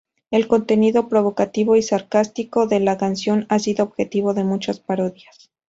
El contenido provocativo y sarcástico de la canción ha sido objetivo de muchas parodias.